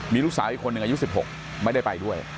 มีลูกสาวอีกคนหนึ่งอายุ๑๖ไม่ได้ไปด้วย